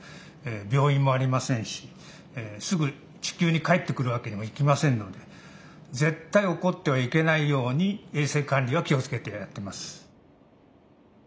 病院もありませんしすぐ地球に帰ってくるわけにもいきませんので絶対おこってはいけないように衛生管理は気を付けてやってます。